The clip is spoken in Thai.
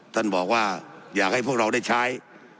ท่านบอกว่าอยากให้พวกเราได้ใช้